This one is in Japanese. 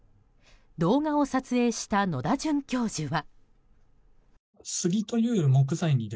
動画を撮影した野田准教授は。